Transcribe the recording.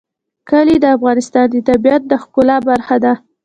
کلي د افغانستان د طبیعت د ښکلا برخه ده.